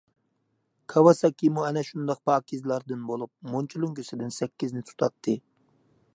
كاۋاساكىمۇ ئەنە شۇنداق پاكىزلاردىن بولۇپ، مۇنچا لۆڭگىسىدىن سەككىزنى تۇتاتتى.